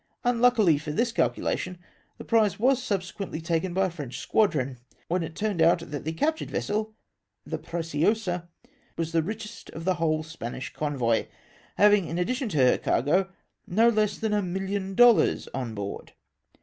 Unluckily for this calcu lation, the prize was subsequently taken by a French squadron, when it turned out that the captured vessel — the Preciosa — was the richest of the whole Spanish convoy, having, in addition to her cargo, no less than a million doUars on board.